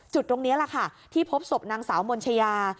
ตรงนี้แหละค่ะที่พบศพนางสาวมนชายา